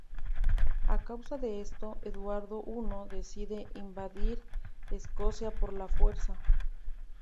A causa de esto, Eduardo I decide invadir Escocia por la fuerza.